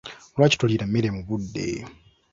Lwaki toliira mmere mu budde?